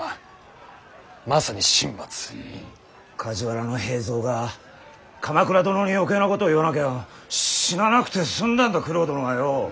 梶原平三が鎌倉殿に余計なことを言わなきゃ死ななくて済んだんだ九郎殿はよう。